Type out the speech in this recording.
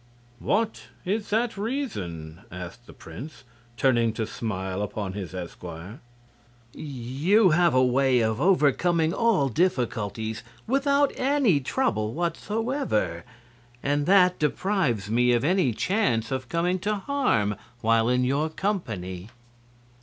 "What is that reason?" asked the prince, turning to smile upon his esquire. "You have a way of overcoming all difficulties without any trouble whatsoever, and that deprives me of any chance of coming to harm while in your company."